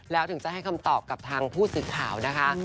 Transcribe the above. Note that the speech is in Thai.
แล้วถึงจะให้คำตอบกับทางผู้สื่อข่าวนะคะ